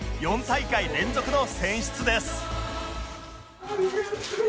４大会連続の選出です